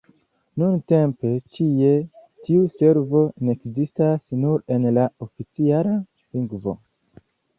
Nuntempe ĉie tiu servo ne ekzistas, nur en la oficiala lingvo.